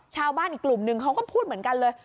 ชาวบ้านอีกกลุ่มนึงเขาก็พูดเหมือนกันเลย